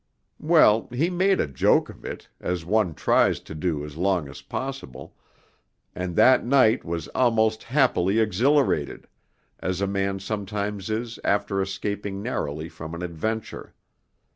Well, he made a joke of it, as one tries to do as long as possible, and that night was almost happily exhilarated, as a man sometimes is after escaping narrowly from an adventure.